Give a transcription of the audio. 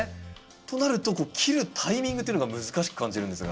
となると切るタイミングというのが難しく感じるんですが。